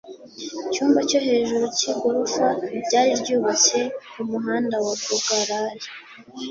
cyumba cyo hejuru cy igorofa ryari ryubatse ku muhanda wa bogalay